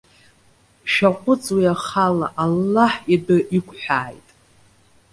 Шәаҟәыҵ уи ахала Аллаҳ идәы иқәҳәааит.